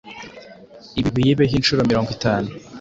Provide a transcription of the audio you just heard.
ibi biyibeho inshuro mirongo itanu,